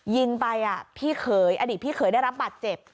ยิงไปพี่เขยอดีตพี่เขยได้รับบาดเจ็บ